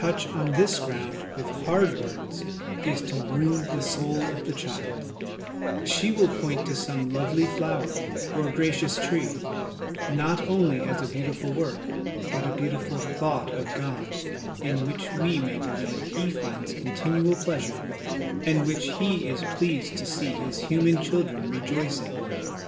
SO HOME EDUCATION on this ground with hard words is to wound the soul of the child) : she will point to some lovely flower or gracious tree, not only as a beautiful work, but a beautiful thought of God, in which we may believe Me finds continual pleasure, and which He is pleased to see his human children rejoice in.